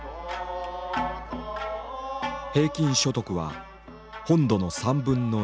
平均所得は本土の３分の２。